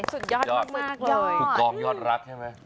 สุดยอดมากเลยผู้กองยอดรักใช่ไหม